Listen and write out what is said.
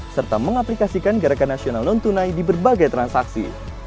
serta mengaplikasikan gerakan nasional non tunai di berbagai transaksi